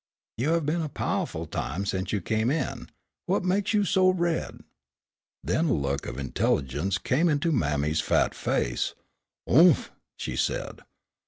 You have been a powahful time sence you come in. Whut meks you so red?" Then a look of intelligence came into mammy's fat face, "Oomph," she said.